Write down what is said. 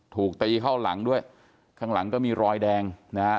ถูกตีเข้าหลังด้วยข้างหลังก็มีรอยแดงนะฮะ